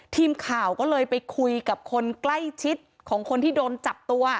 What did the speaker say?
ทีมข่าวก็เลยไปคุยกับคนใกล้ชิดของคนที่โดนจับตัว